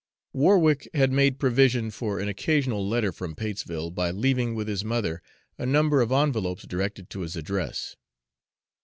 Warwick had made provision for an occasional letter from Patesville, by leaving with his mother a number of envelopes directed to his address.